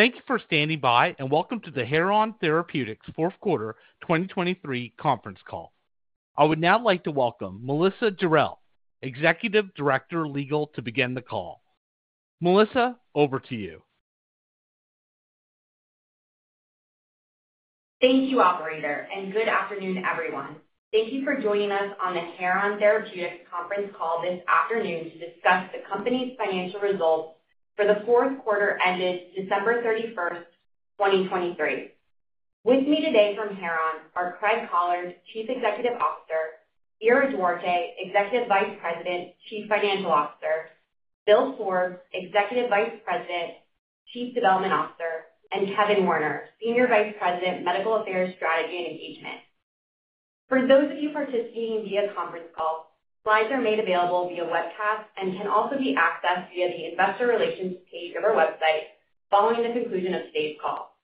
Thank you for standing by, and welcome to the Heron Therapeutics fourth quarter 2023 conference call. I would now like to welcome Melissa Durrell, Executive Director, Legal, to begin the call. Melissa, over to you. Thank you, operator, and good afternoon, everyone. Thank you for joining us on the Heron Therapeutics conference call this afternoon to discuss the company's financial results for the fourth quarter ended December 31, 2023. With me today from Heron are Craig Collard, Chief Executive Officer; Ira Duarte, Executive Vice President, Chief Financial Officer; Bill Forbes, Executive Vice President, Chief Development Officer; and Kevin Warner, Senior Vice President, Medical Affairs, Strategy, and Engagement. For those of you participating via conference call, slides are made available via webcast and can also be accessed via the investor relations page of our website following the conclusion of today's call.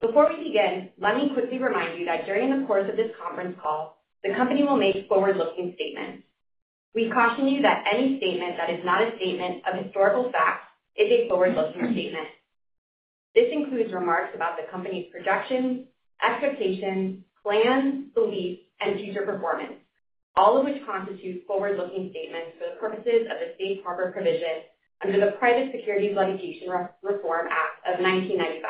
Before we begin, let me quickly remind you that during the course of this conference call, the company will make forward-looking statements. We caution you that any statement that is not a statement of historical fact is a forward-looking statement. This includes remarks about the company's projections, expectations, plans, beliefs, and future performance, all of which constitute forward-looking statements for the purposes of the Safe Harbor provision under the Private Securities Litigation Reform Act of 1995.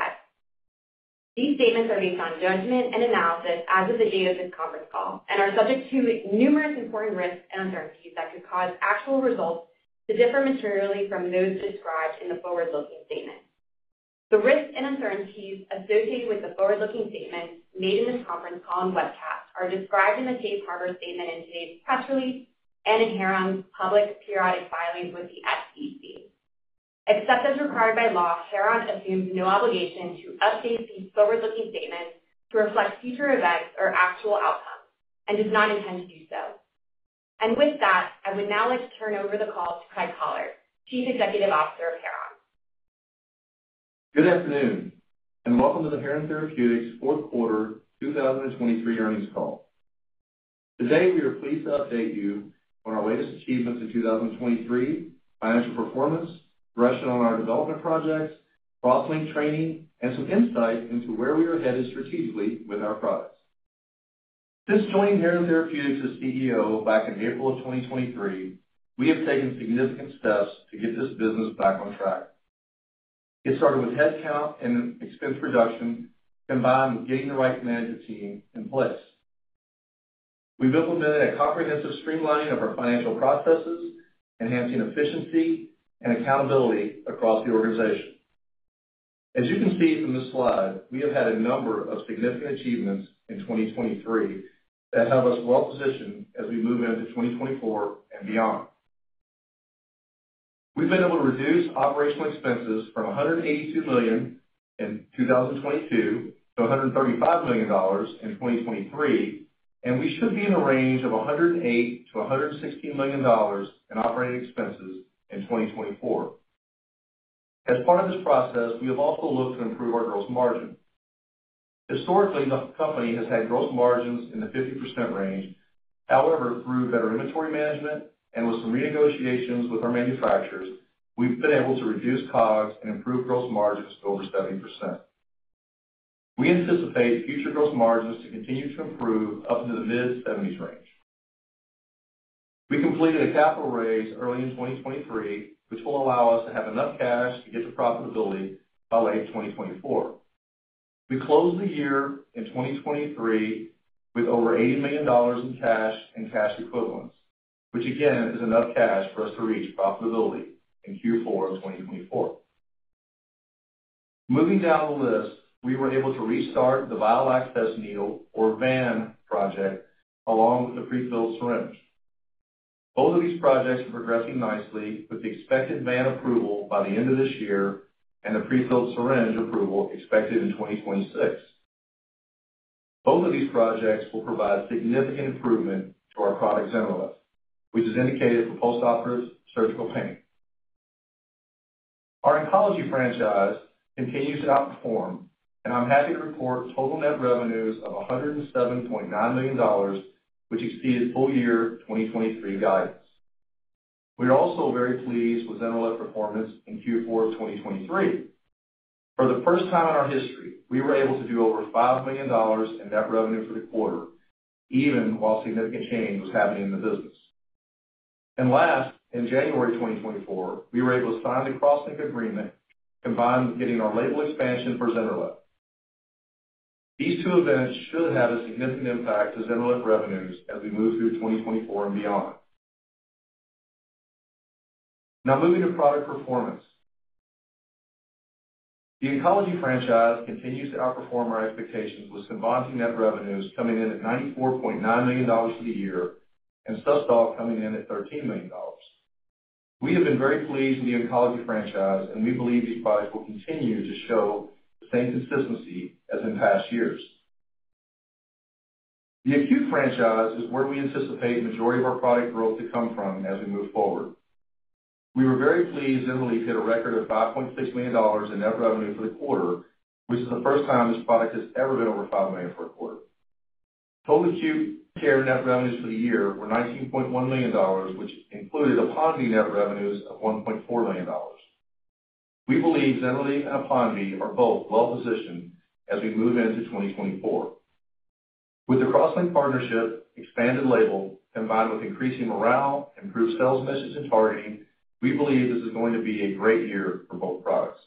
These statements are based on judgment and analysis as of the date of this conference call and are subject to numerous important risks and uncertainties that could cause actual results to differ materially from those described in the forward-looking statement. The risks and uncertainties associated with the forward-looking statements made in this conference call and webcast are described in the Safe Harbor statement in today's press release and in Heron's public periodic filings with the SEC. Except as required by law, Heron assumes no obligation to update these forward-looking statements to reflect future events or actual outcomes and does not intend to do so. With that, I would now like to turn over the call to Craig Collard, Chief Executive Officer of Heron. Good afternoon, and welcome to the Heron Therapeutics fourth quarter 2023 earnings call. Today, we are pleased to update you on our latest achievements in 2023, financial performance, progression on our development projects, CrossLink training, and some insight into where we are headed strategically with our products. Since joining Heron Therapeutics as CEO back in April of 2023, we have taken significant steps to get this business back on track. It started with headcount and expense reduction, combined with getting the right management team in place. We've implemented a comprehensive streamlining of our financial processes, enhancing efficiency and accountability across the organization. As you can see from this slide, we have had a number of significant achievements in 2023 that have us well-positioned as we move into 2024 and beyond. We've been able to reduce operational expenses from $182 million in 2022 to $135 million in 2023, and we should be in the range of $108 million-$116 million in operating expenses in 2024. As part of this process, we have also looked to improve our gross margin. Historically, the company has had gross margins in the 50% range. However, through better inventory management and with some renegotiations with our manufacturers, we've been able to reduce COGS and improve gross margins to over 70%. We anticipate future gross margins to continue to improve up to the mid-70s range. We completed a capital raise early in 2023, which will allow us to have enough cash to get to profitability by late 2024. We closed the year in 2023 with over $80 million in cash and cash equivalents, which again, is enough cash for us to reach profitability in Q4 of 2024. Moving down the list, we were able to restart the Vial Access Needle, or VAN, project, along with the prefilled syringe. Both of these projects are progressing nicely, with the expected VAN approval by the end of this year and the prefilled syringe approval expected in 2026. Both of these projects will provide significant improvement to our product, ZYNRELEF, which is indicated for post-operative surgical pain. Our oncology franchise continues to outperform, and I'm happy to report total net revenues of $107.9 million, which exceeded full year 2023 guidance. We are also very pleased with ZYNRELEF performance in Q4 of 2023. For the first time in our history, we were able to do over $5 million in net revenue for the quarter, even while significant change was happening in the business. Last, in January 2024, we were able to sign the CrossLink agreement, combined with getting our label expansion for ZYNRELEF. These two events should have a significant impact to ZYNRELEF revenues as we move through 2024 and beyond. Now, moving to product performance. The oncology franchise continues to outperform our expectations, with CINVANTI net revenues coming in at $94.9 million for the year, and SUSTOL coming in at $13 million. We have been very pleased with the oncology franchise, and we believe these products will continue to show the same consistency as in past years. The acute franchise is where we anticipate the majority of our product growth to come from as we move forward. We were very pleased ZYNRELEF hit a record of $5.6 million in net revenue for the quarter, which is the first time this product has ever been over $5 million for a quarter. Total acute care net revenues for the year were $19.1 million, which included APONVIE net revenues of $1.4 million. We believe ZYNRELEF and APONVIE are both well-positioned as we move into 2024. With the CrossLink partnership, expanded label, combined with increasing morale, improved sales message and targeting, we believe this is going to be a great year for both products.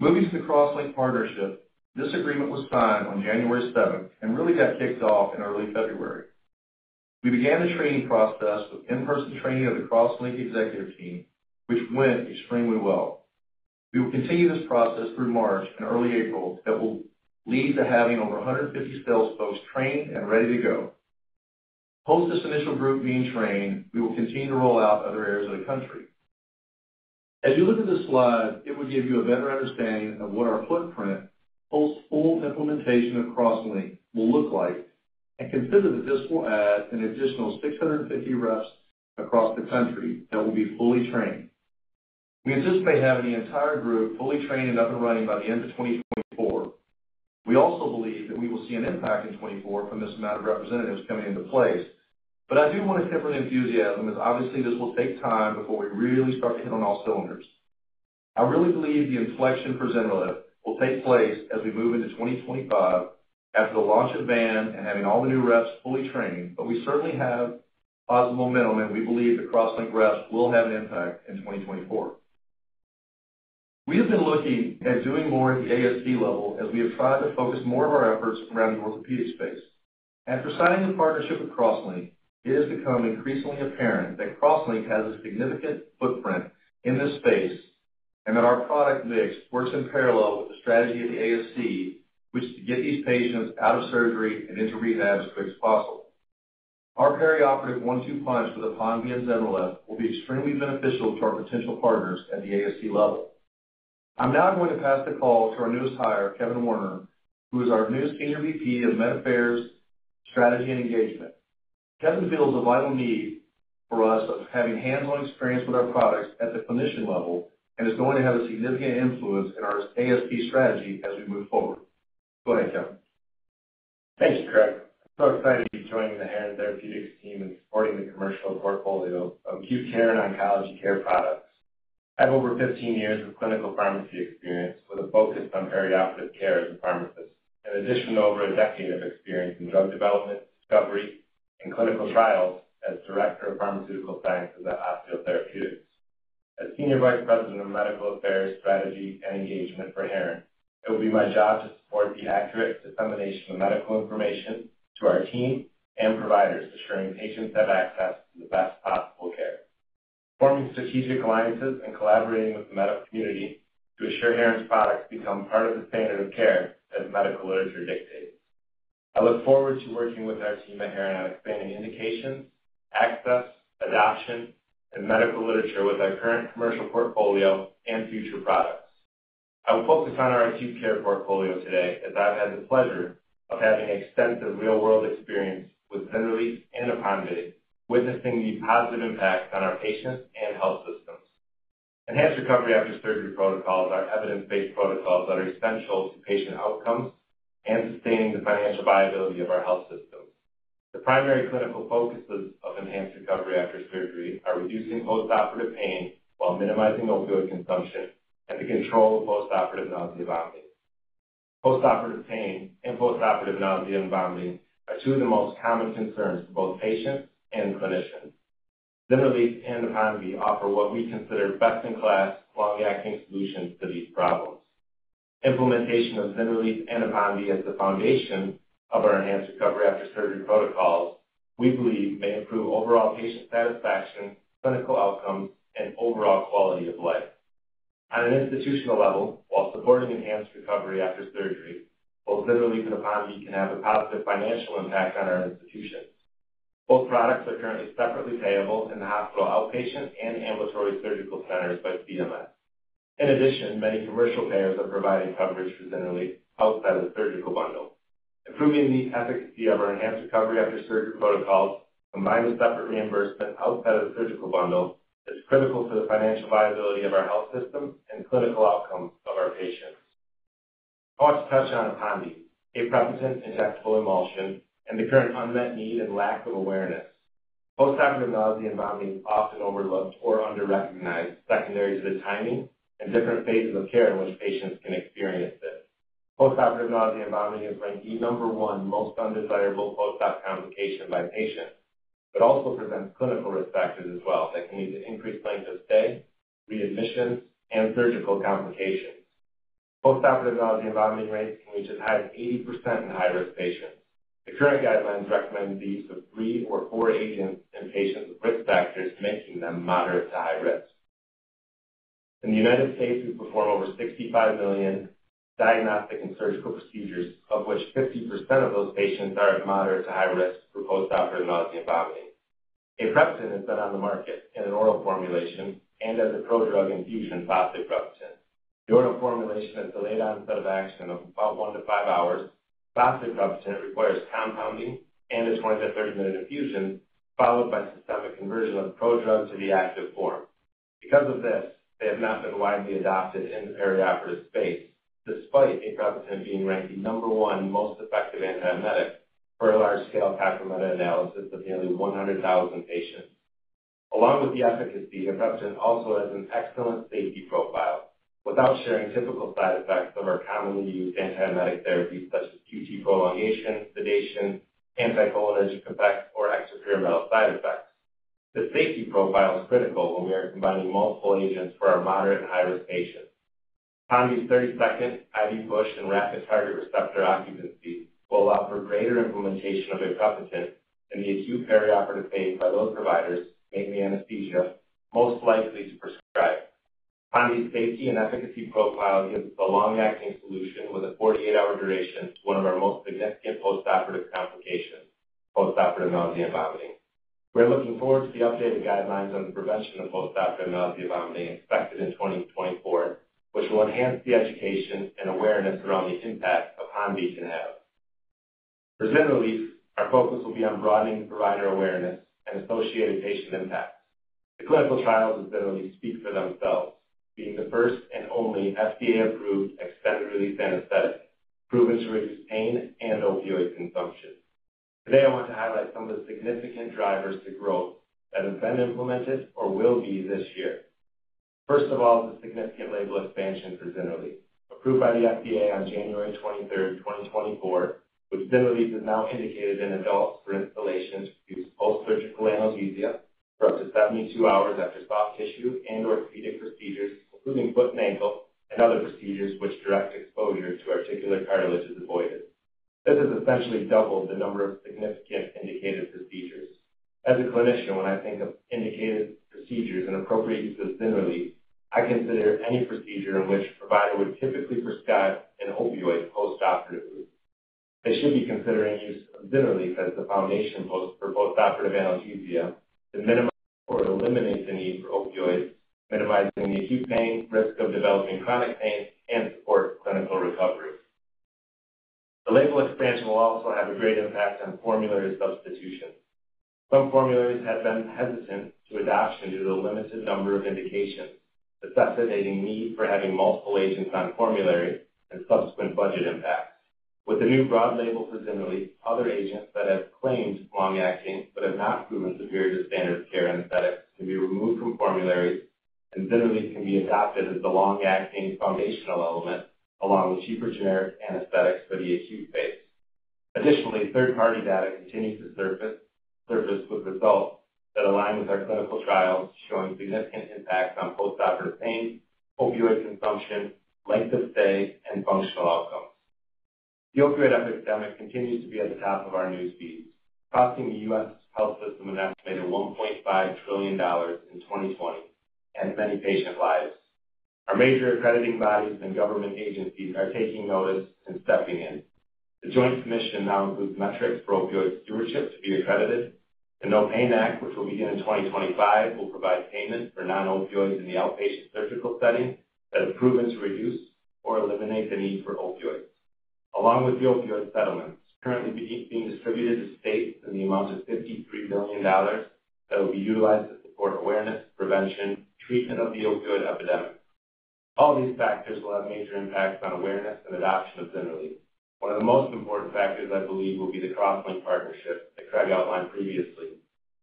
Moving to the CrossLink partnership, this agreement was signed on January 7, and really got kicked off in early February. We began the training process with in-person training of the CrossLink executive team, which went extremely well. We will continue this process through March and early April, that will lead to having over 150 sales folks trained and ready to go. Post this initial group being trained, we will continue to roll out other areas of the country. As you look at this slide, it will give you a better understanding of what our footprint post full implementation of CrossLink will look like, and consider that this will add an additional 650 reps across the country that will be fully trained. We anticipate having the entire group fully trained and up and running by the end of 2024. We also believe that we will see an impact in 2024 from this amount of representatives coming into place. But I do want to temper the enthusiasm, as obviously this will take time before we really start to hit on all cylinders. I really believe the inflection for ZYNRELEF will take place as we move into 2025 after the launch of VAN and having all the new reps fully trained, but we certainly have positive momentum, and we believe the CrossLink reps will have an impact in 2024. We have been looking at doing more at the ASC level as we have tried to focus more of our efforts around the orthopedic space. After signing the partnership with CrossLink, it has become increasingly apparent that CrossLink has a significant footprint in this space, and that our product mix works in parallel with the strategy of the ASC, which is to get these patients out of surgery and into rehab as quick as possible. Our perioperative one-two punch with APONVIE and ZYNRELEF will be extremely beneficial to our potential partners at the ASC level. I'm now going to pass the call to our newest hire, Kevin Warner, who is our newest Senior VP of Medical Affairs, Strategy and Engagement. Kevin fills a vital need for us of having hands-on experience with our products at the clinician level and is going to have a significant influence in our ASC strategy as we move forward. Go ahead, Kevin. Thanks, Craig. I'm so excited to be joining the Heron Therapeutics team and supporting the commercial portfolio of acute care and oncology care products. I have over 15 years of clinical pharmacy experience with a focus on perioperative care as a pharmacist. In addition to over a decade of experience in drug development, discovery, and clinical trials as Director of Pharmaceutical Sciences at Osteal Therapeutics. As Senior Vice President of Medical Affairs, Strategy, and Engagement for Heron, it will be my job to support the accurate dissemination of medical information to our team and providers, ensuring patients have access to the best possible care. Forming strategic alliances and collaborating with the medical community to ensure Heron's products become part of the standard of care, as medical literature dictates. I look forward to working with our team at Heron on expanding indications, access, adoption, and medical literature with our current commercial portfolio and future products. I will focus on our acute care portfolio today, as I've had the pleasure of having extensive real-world experience with ZYNRELEF and APONVIE, witnessing the positive impact on our patients and health systems. Enhanced Recovery After Surgery protocols are evidence-based protocols that are essential to patient outcomes and sustaining the financial viability of our health system. The primary clinical focuses of Enhanced Recovery After Surgery are reducing postoperative pain while minimizing opioid consumption and the control of postoperative nausea and vomiting. Postoperative pain and postoperative nausea and vomiting are two of the most common concerns for both patients and clinicians. ZYNRELEF and APONVIE offer what we consider best-in-class, long-acting solutions to these problems. Implementation of ZYNRELEF and APONVIE as the foundation of our Enhanced Recovery After Surgery protocols, we believe may improve overall patient satisfaction, clinical outcomes, and overall quality of life. On an institutional level, while supporting Enhanced Recovery After Surgery, both ZYNRELEF and APONVIE can have a positive financial impact on our institutions. Both products are currently separately payable in the hospital, outpatient, and ambulatory surgical centers by CMS. In addition, many commercial payers are providing coverage for ZYNRELEF outside of the surgical bundle. Improving the efficacy of our Enhanced Recovery After Surgery protocols, combined with separate reimbursement outside of the surgical bundle, is critical to the financial viability of our health system and clinical outcomes of our patients. I want to touch on APONVIE, aprepitant injectable emulsion, and the current unmet need and lack of awareness. Postoperative nausea and vomiting is often overlooked or under-recognized, secondary to the timing and different phases of care in which patients can experience this. Postoperative nausea and vomiting is ranked the number one most undesirable postop complication by patients. It also presents clinical risk factors as well, that can lead to increased length of stay, readmissions, and surgical complications. Postoperative nausea and vomiting rates can reach as high as 80% in high-risk patients. The current guidelines recommend the use of three or four agents in patients with risk factors, making them moderate to high risk. In the United States, we perform over 65 million diagnostic and surgical procedures, of which 50% of those patients are at moderate to high risk for postoperative nausea and vomiting. Aprepitant is then on the market in an oral formulation and as a prodrug infusion, fosaprepitant. The oral formulation has a delayed onset of action of about 1-5 hours. Fosaprepitant requires compounding and a 20-30-minute infusion, followed by systemic conversion of the prodrug to the active form. Because of this, they have not been widely adopted in the perioperative space, despite aprepitant being ranked the number 1 most effective antiemetic for a large-scale meta-analysis of nearly 100,000 patients. Along with the efficacy, aprepitant also has an excellent safety profile without sharing typical side effects of our commonly used antiemetic therapies, such as QT prolongation, sedation, anticholinergic effects, or extrapyramidal side effects. The safety profile is critical when we are combining multiple agents for our moderate and high-risk patients. CINVANTI's 30-second IV push and rapid target receptor occupancy will allow for greater implementation of aprepitant in the acute perioperative phase by those providers, mainly anesthesia, most likely to prescribe. APONVIE's safety and efficacy profile gives a long-acting solution with a 48-hour duration to one of our most significant postoperative complications, postoperative nausea and vomiting. We're looking forward to the updated guidelines on the prevention of postoperative nausea and vomiting, expected in 2024, which will enhance the education and awareness around the impact APONVIE can have. For ZYNRELEF, our focus will be on broadening provider awareness and associated patient impacts. The clinical trials of ZYNRELEF speak for themselves, being the first and only FDA-approved extended-release anesthetic, proven to reduce pain and opioid consumption. Today, I want to highlight some of the significant drivers to growth that have been implemented or will be this year. First of all, the significant label expansion for ZYNRELEF, approved by the FDA on January 23, 2024, which ZYNRELEF is now indicated in adults for infiltration to produce post-surgical analgesia for up to 72 hours after soft tissue and/or orthopedic procedures, including foot and ankle and other procedures which direct exposure to articular cartilage is avoided. This has essentially doubled the number of significant indicated procedures. As a clinician, when I think of indicated procedures and appropriate use of ZYNRELEF, I consider any procedure in which a provider would typically prescribe an opioid postoperatively. They should be considering use of ZYNRELEF as the foundation post for postoperative analgesia to minimize or eliminate the need for opioids, minimizing the acute pain, risk of developing chronic pain, and support clinical recovery. The label expansion will also have a great impact on formulary substitution. Some formularies have been hesitant to adopt due to the limited number of indications, necessitating need for having multiple agents on formulary and subsequent budget impacts. With the new broad label for ZYNRELEF, other agents that have claimed long-acting but have not proven superior to standard of care anesthetics can be removed from formularies, and ZYNRELEF can be adopted as the long-acting foundational element, along with cheaper generic anesthetics for the acute phase. Additionally, third-party data continues to surface with results that align with our clinical trials, showing significant impacts on postoperative pain, opioid consumption, length of stay, and functional outcomes. The opioid epidemic continues to be at the top of our news feeds, costing the U.S. health system an estimated $1.5 trillion in 2020 and many patient lives. Our major accrediting bodies and government agencies are taking notice and stepping in. The Joint Commission now includes metrics for opioid stewardship to be accredited. The No Pain Act, which will begin in 2025, will provide payment for non-opioids in the outpatient surgical setting that have proven to reduce or eliminate the need for opioids. Along with the opioid settlements currently being distributed to states in the amount of $53 billion, that will be utilized to support awareness, prevention, treatment of the opioid epidemic. All these factors will have major impacts on awareness and adoption of ZYNRELEF. One of the most important factors, I believe, will be the CrossLink partnership that Craig outlined previously.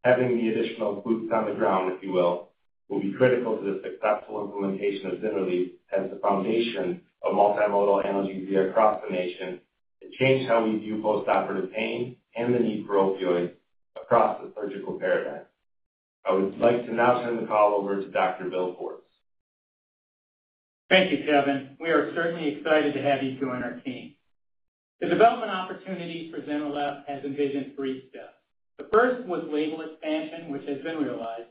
Having the additional boots on the ground, if you will, will be critical to the successful implementation of ZYNRELEF as the foundation of multimodal analgesia across the nation to change how we view postoperative pain and the need for opioids across the surgical paradigm. I would like to now turn the call over to Dr. Bill Forbes. Thank you, Kevin. We are certainly excited to have you join our team. The development opportunity for ZYNRELEF has envisioned three steps. The first was label expansion, which has been realized.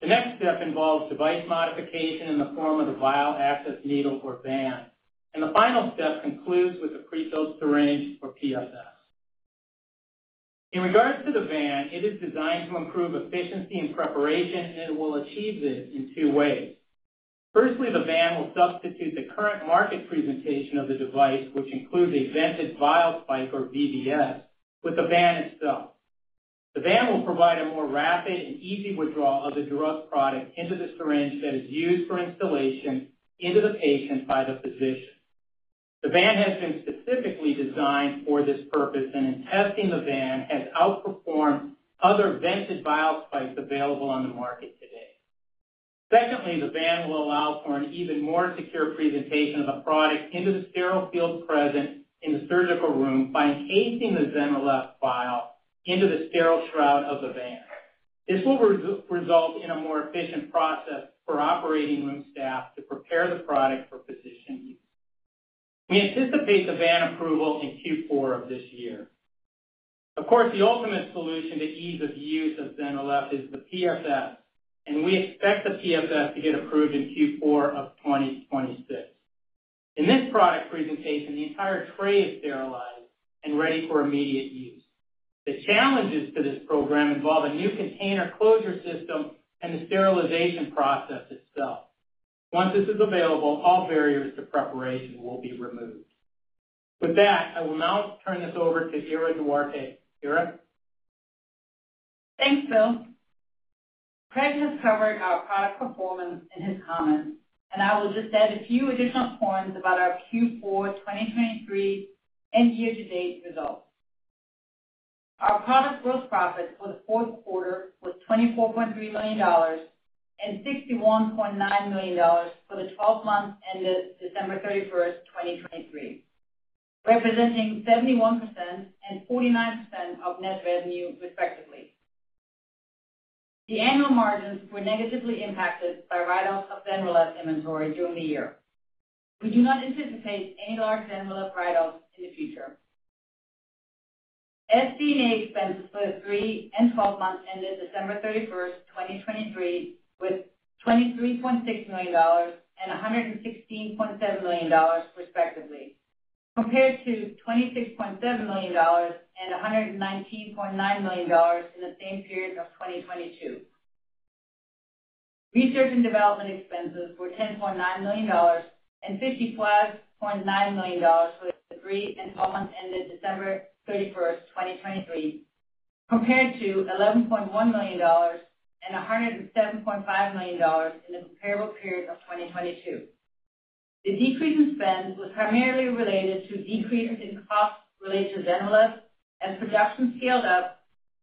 The next step involves device modification in the form of the vial access needle or VAN. The final step concludes with the prefilled syringe or PSS. In regards to the VAN, it is designed to improve efficiency and preparation, and it will achieve this in two ways. Firstly, the VAN will substitute the current market presentation of the device, which includes a vented vial spike or VVS, with the VAN itself. The VAN will provide a more rapid and easy withdrawal of the drug product into the syringe that is used for instillation into the patient by the physician. The VAN has been specifically designed for this purpose, and in testing, the VAN has outperformed other vented vial spikes available on the market today. Secondly, the VAN will allow for an even more secure presentation of the product into the sterile field present in the surgical room by encasing the ZYNRELEF vial into the sterile shroud of the VAN. This will result in a more efficient process for operating room staff to prepare the product for physician use. We anticipate the VAN approval in Q4 of this year. Of course, the ultimate solution to ease of use of ZYNRELEF is the PSS, and we expect the PSS to get approved in Q4 of 2026. In this product presentation, the entire tray is sterilized and ready for immediate use. The challenges to this program involve a new container closure system and the sterilization process itself. Once this is available, all barriers to preparation will be removed. With that, I will now turn this over to Ira Duarte. Ira?... Thanks, Bill. Craig has covered our product performance in his comments, and I will just add a few additional points about our Q4 2023 and year-to-date results. Our product gross profit for the fourth quarter was $24.3 million and $61.9 million for the twelve months ended December thirty-first, 2023, representing 71% and 49% of net revenue, respectively. The annual margins were negatively impacted by write-offs of ZYNRELEF inventory during the year. We do not anticipate any large ZYNRELEF write-offs in the future. SG&A expenses for the three and twelve months ended December thirty-first, 2023, was $23.6 million and $116.7 million, respectively, compared to $26.7 million and $119.9 million in the same period of 2022. Research and development expenses were $10.9 million and $55.9 million for the three and twelve months ended December thirty-first, 2023, compared to $11.1 million and $107.5 million in the comparable period of 2022. The decrease in spend was primarily related to decreases in costs related to ZYNRELEF as production scaled up,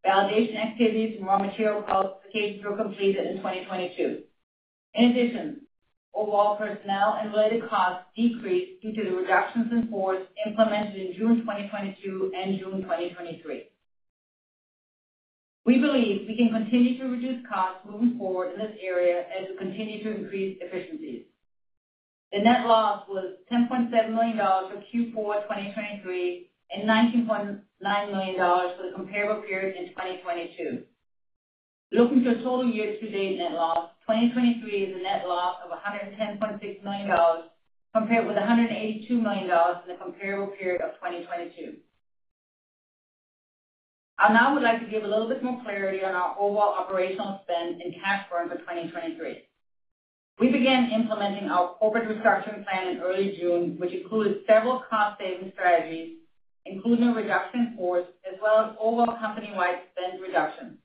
validation activities and raw material qualifications were completed in 2022. In addition, overall personnel and related costs decreased due to the reductions in force implemented in June 2022 and June 2023. We believe we can continue to reduce costs moving forward in this area as we continue to increase efficiencies. The net loss was $10.7 million for Q4 2023, and $19.9 million for the comparable period in 2022. Looking to a total year-to-date net loss, 2023 is a net loss of $110.6 million, compared with $182 million in the comparable period of 2022. I now would like to give a little bit more clarity on our overall operational spend and cash burn for 2023. We began implementing our corporate restructuring plan in early June, which included several cost-saving strategies, including a reduction in force as well as overall company-wide spend reduction.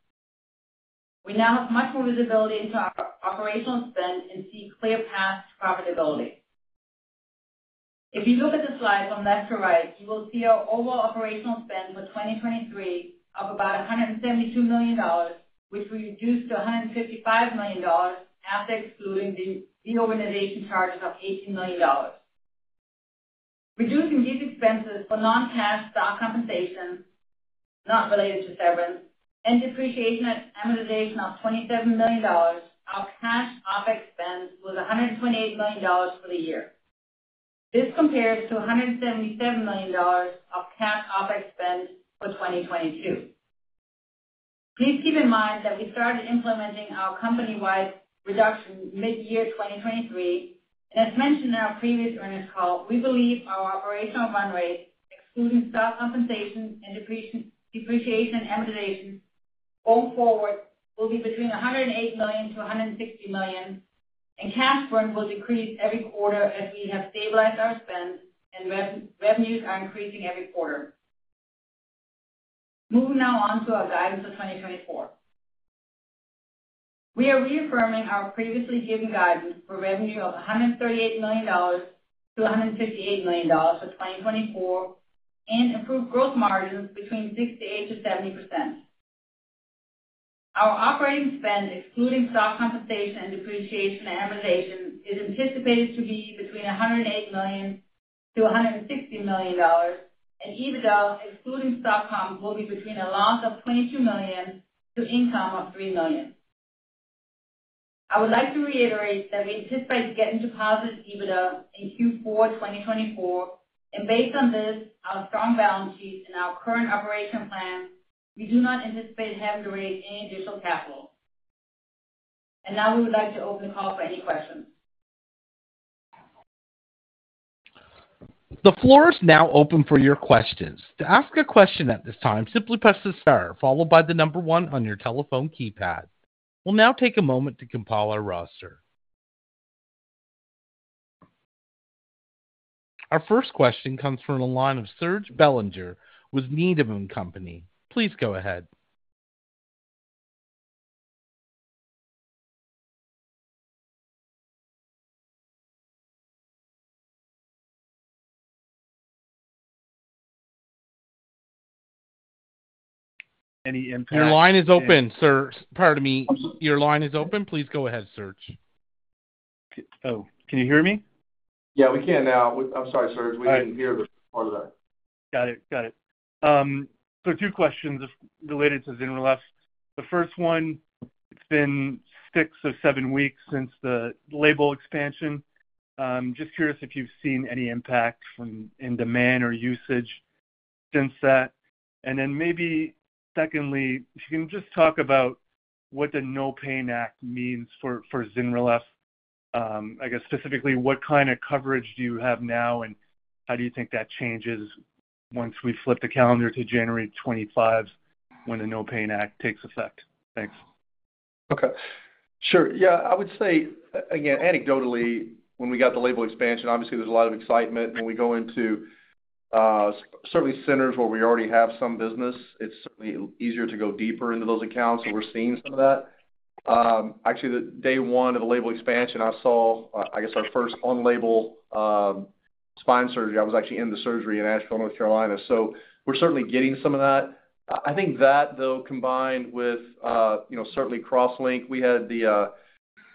We now have much more visibility into our operational spend and see clear path to profitability. If you look at the slide from left to right, you will see our overall operational spend for 2023 of about $172 million, which we reduced to $155 million after excluding the reorganization charges of $18 million. Reducing these expenses for non-cash stock compensation, not related to severance, and depreciation and amortization of $27 million, our cash OpEx spend was $128 million for the year. This compares to $177 million of cash OpEx spend for 2022. Please keep in mind that we started implementing our company-wide reduction mid-year 2023, and as mentioned in our previous earnings call, we believe our operational run rate, excluding stock compensation and depreciation and amortization, going forward, will be between $108 million-$160 million, and cash burn will decrease every quarter as we have stabilized our spend and revenues are increasing every quarter. Moving now on to our guidance for 2024. We are reaffirming our previously given guidance for revenue of $138 million-$158 million for 2024, and gross margins of 60%-70%. Our operating expenses, excluding stock compensation and depreciation and amortization, is anticipated to be between $108 million-$116 million, and EBITDA, excluding stock comp, will be between a loss of $22 million to income of $3 million. I would like to reiterate that we anticipate getting to positive EBITDA in Q4 2024, and based on this, our strong balance sheet and our current operational plan, we do not anticipate having to raise any additional capital. Now we would like to open the call for any questions. The floor is now open for your questions. To ask a question at this time, simply press the star followed by the number one on your telephone keypad. We'll now take a moment to compile our roster. Our first question comes from the line of Serge Belanger with Needham and Company. Please go ahead. Any impact- Your line is open, sir. Pardon me. Your line is open. Please go ahead, Serge. Oh, can you hear me? Yeah, we can now. I'm sorry, Serge. All right. We didn't hear the part of that. Got it. Got it. So two questions related to ZYNRELEF. The first one, it's been six or seven weeks since the label expansion. Just curious if you've seen any impact from in demand or usage since that? And then maybe secondly, if you can just talk about what the No Pain Act means for ZYNRELEF. I guess, specifically, what kind of coverage do you have now, and how do you think that changes once we flip the calendar to January 2025, when the No Pain Act takes effect? Thanks.... Okay. Sure. Yeah, I would say, again, anecdotally, when we got the label expansion, obviously, there's a lot of excitement. When we go into, certainly centers where we already have some business, it's certainly easier to go deeper into those accounts, so we're seeing some of that. Actually, the day one of the label expansion, I saw, I guess, our first on-label, spine surgery. I was actually in the surgery in Asheville, North Carolina. So we're certainly getting some of that. I think that, though, combined with, you know, certainly CrossLink, we had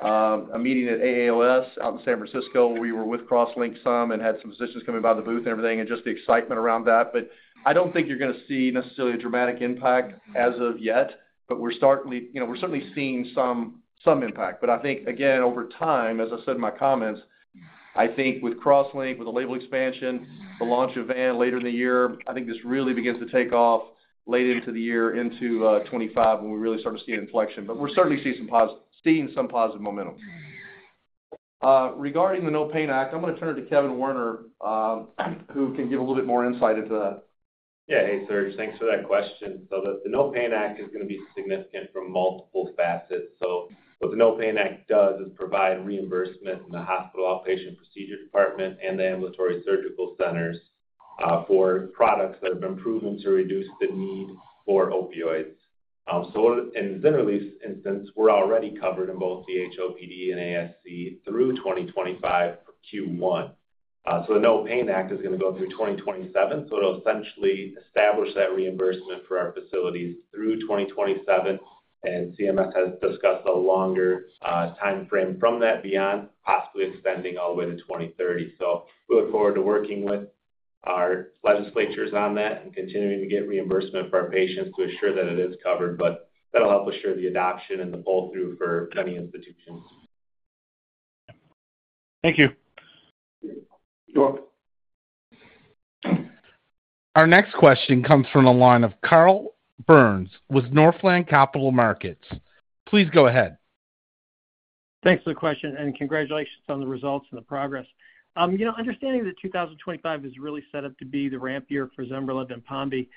the, a meeting at AAOS out in San Francisco, where we were with CrossLink some and had some physicians coming by the booth and everything, and just the excitement around that. But I don't think you're gonna see necessarily a dramatic impact as of yet, but we're certainly, you know, we're certainly seeing some impact. But I think, again, over time, as I said in my comments, I think with CrossLink, with the label expansion, the launch of VAN later in the year, I think this really begins to take off late into the year, into 2025, when we really start to see an inflection. But we're certainly seeing some positive momentum. Regarding the No Pain Act, I'm gonna turn it to Kevin Warner, who can give a little bit more insight into that. Yeah. Hey, Serge, thanks for that question. So the No Pain Act is gonna be significant from multiple facets. So what the No Pain Act does is provide reimbursement in the hospital outpatient procedure department and the ambulatory surgical centers, for products that have been proven to reduce the need for opioids. So in ZYNRELEF's instance, we're already covered in both the HOPD and ASC through 2025 for Q1. So the No Pain Act is gonna go through 2027, so it'll essentially establish that reimbursement for our facilities through 2027, and CMS has discussed a longer, timeframe from that beyond, possibly extending all the way to 2030. So we look forward to working with our legislatures on that and continuing to get reimbursement for our patients to ensure that it is covered. But that'll help assure the adoption and the pull-through for many institutions. Thank you. You're welcome. Our next question comes from the line of Carl Byrnes with Northland Capital Markets. Please go ahead. Thanks for the question, and congratulations on the results and the progress. You know, understanding that 2025 is really set up to be the ramp year for ZYNRELEF and APONVIE,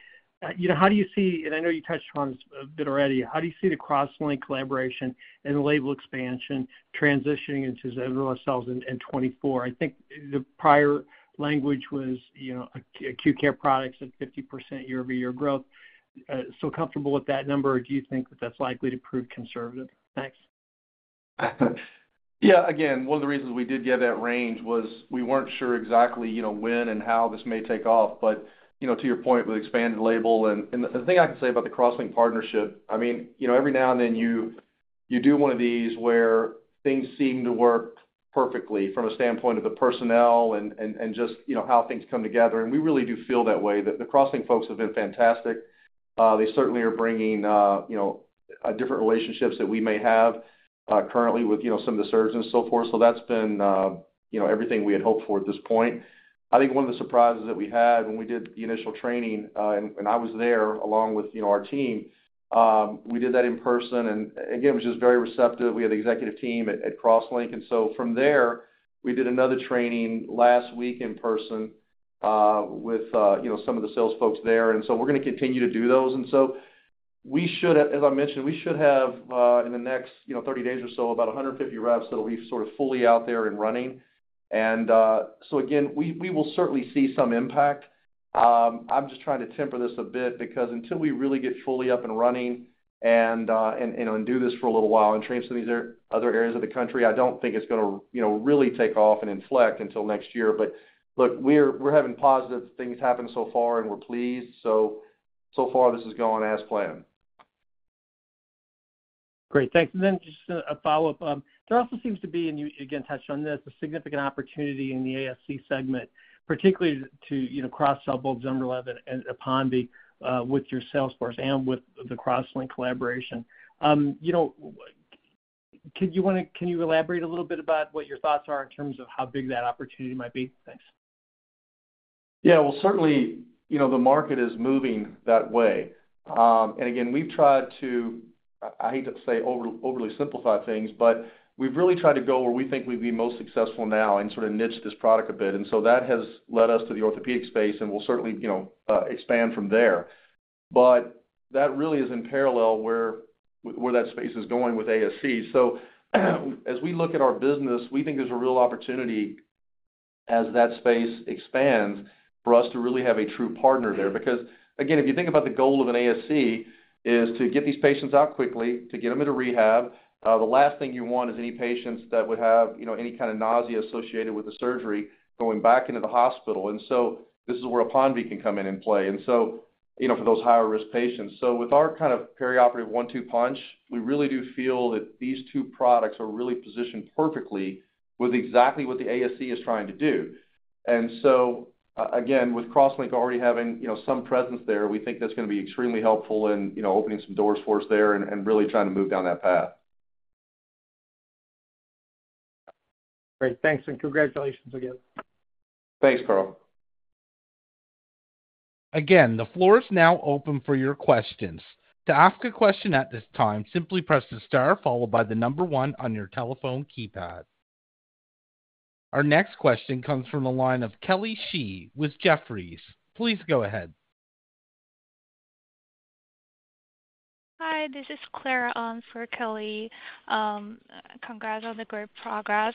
you know, how do you see... And I know you touched on this a bit already. How do you see the CrossLink collaboration and the label expansion transitioning into ZYNRELEF sales in 2024? I think the prior language was, you know, acute care products at 50% year-over-year growth. So comfortable with that number, or do you think that that's likely to prove conservative? Thanks. Yeah, again, one of the reasons we did give that range was we weren't sure exactly, you know, when and how this may take off. But, you know, to your point, with expanded label and the thing I can say about the CrossLink partnership, I mean, you know, every now and then, you do one of these where things seem to work perfectly from a standpoint of the personnel and just, you know, how things come together, and we really do feel that way. That the CrossLink folks have been fantastic. They certainly are bringing, you know, different relationships that we may have currently with, you know, some of the surgeons and so forth. So that's been, you know, everything we had hoped for at this point. I think one of the surprises that we had when we did the initial training, and I was there along with, you know, our team, we did that in person. And again, it was just very receptive. We had the executive team at CrossLink, and so from there, we did another training last week in person with, you know, some of the sales folks there, and so we're gonna continue to do those. And so we should have, as I mentioned, we should have, in the next, you know, 30 days or so, about 150 reps that'll be sort of fully out there and running. And so again, we will certainly see some impact. I'm just trying to temper this a bit because until we really get fully up and running and do this for a little while and train some of these other areas of the country, I don't think it's gonna, you know, really take off and inflect until next year. But look, we're having positive things happen so far, and we're pleased. So far, this is going as planned. Great. Thanks. And then just a follow-up. There also seems to be, and you again touched on this, a significant opportunity in the ASC segment, particularly to, you know, cross-sell both ZYNRELEF and APONVIE with your sales force and with the CrossLink collaboration. You know, could you wanna—can you elaborate a little bit about what your thoughts are in terms of how big that opportunity might be? Thanks. Yeah. Well, certainly, you know, the market is moving that way. And again, we've tried to... I hate to say overly simplify things, but we've really tried to go where we think we'd be most successful now and sort of niche this product a bit, and so that has led us to the orthopedic space, and we'll certainly, you know, expand from there. But that really is in parallel where that space is going with ASC. So as we look at our business, we think there's a real opportunity, as that space expands, for us to really have a true partner there. Because, again, if you think about the goal of an ASC, is to get these patients out quickly, to get them into rehab. The last thing you want is any patients that would have, you know, any kind of nausea associated with the surgery going back into the hospital. And so this is where a PONV can come in and play, and so, you know, for those higher-risk patients. So with our kind of perioperative one-two punch, we really do feel that these two products are really positioned perfectly with exactly what the ASC is trying to do. And so, again, with CrossLink already having, you know, some presence there, we think that's gonna be extremely helpful in, you know, opening some doors for us there and, and really trying to move down that path. Great. Thanks, and congratulations again. Thanks, Carl. Again, the floor is now open for your questions. To ask a question at this time, simply press the star followed by the number one on your telephone keypad. Our next question comes from the line of Kelly Shi with Jefferies. Please go ahead. Hi, this is Claire for Kelly. Congrats on the great progress.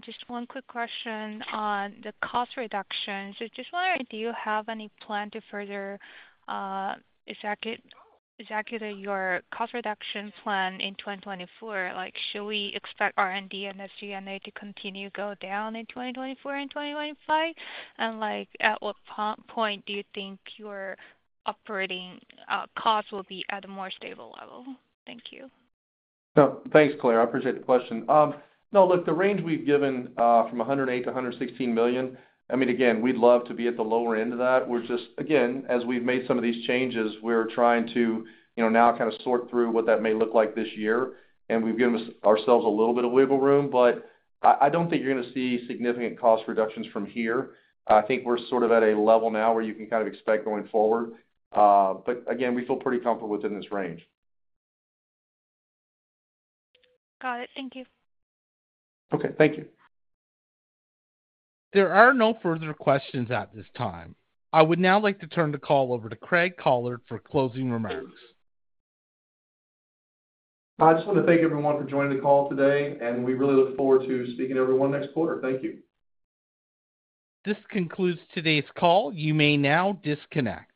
Just one quick question on the cost reductions. Just wondering, do you have any plan to further execute your cost reduction plan in 2024? Like, should we expect R&D and SG&A to continue to go down in 2024 and 2025? And like, at what point do you think your operating costs will be at a more stable level? Thank you. Thanks, Claire. I appreciate the question. Now, look, the range we've given, from $108 million-$116 million, I mean, again, we'd love to be at the lower end of that. We're just, again, as we've made some of these changes, we're trying to, you know, now kind of sort through what that may look like this year, and we've given ourselves a little bit of wiggle room. But I don't think you're gonna see significant cost reductions from here. I think we're sort of at a level now where you can kind of expect going forward. But again, we feel pretty comfortable within this range. Got it. Thank you. Okay, thank you. There are no further questions at this time. I would now like to turn the call over to Craig Collard for closing remarks. I just want to thank everyone for joining the call today, and we really look forward to speaking to everyone next quarter. Thank you. This concludes today's call. You may now disconnect.